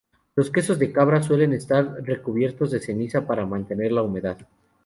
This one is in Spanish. Los quesos de cabra suelen estar recubiertos de ceniza para mantener la humedad.